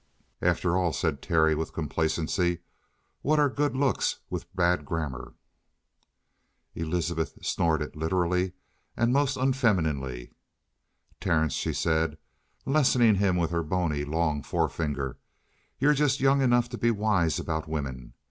"After all," said Terry, with complacency, "what are good looks with bad grammar?" Elizabeth snorted literally and most unfemininely. "Terence," she said, lessoning him with her bony, long forefinger, "you're just young enough to be wise about women.